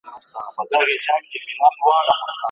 پاڼه یم د باد په تاو رژېږم ته به نه ژاړې